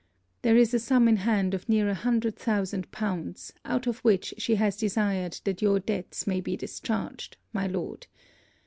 There is a sum in hand of near a hundred thousand pounds, out of which she has desired that your debts may be discharged, my Lord.